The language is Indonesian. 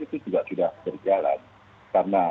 itu juga sudah berjalan karena